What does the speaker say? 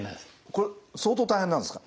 これ相当大変なんですか？